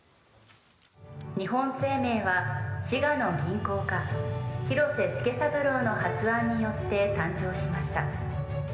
日本生命は滋賀の銀行家弘世助三郎の発案によって誕生しました。